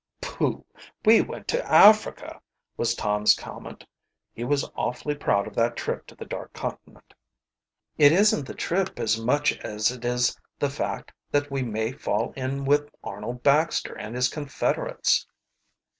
"Pooh! we went to Africa," was Tom's comment. He was awfully proud of that trip to the Dark Continent. "It isn't the trip so much as it is the fact that we may fall in with Arnold Baxter and his confederates."